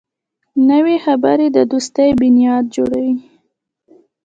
نوې خبرې د دوستۍ بنیاد جوړوي